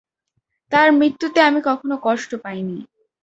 তার মৃত্যুতে আমি কখনও কষ্ট পাইনি।